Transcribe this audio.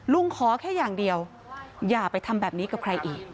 ขอแค่อย่างเดียวอย่าไปทำแบบนี้กับใครอีก